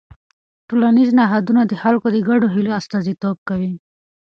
ټولنیز نهادونه د خلکو د ګډو هيلو استازیتوب کوي.